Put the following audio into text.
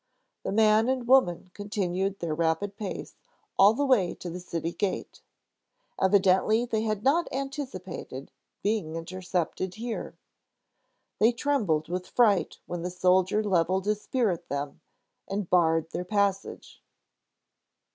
The man and woman continued their rapid pace all the way to the city gate. Evidently, they had not anticipated being intercepted here. They trembled with fright when the soldier leveled his spear at them, and barred their passage.